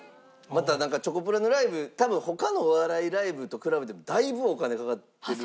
またチョコプラのライブ多分他のお笑いライブと比べてもだいぶお金かかってる。